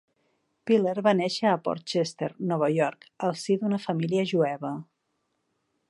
Piller va néixer a Port Chester, Nova York, al si d'una família jueva.